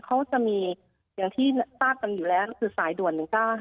เขาจะมีอย่างที่ทราบกันอยู่แล้วคือสายด่วน๑๙๕